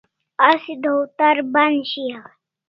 Asi dawtar band shiau e?